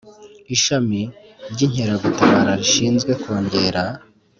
Ishami ry Inkeragutabara rishinzwe kongera